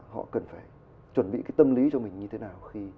họ cần phải chuẩn bị cái tâm lý cho mình như thế nào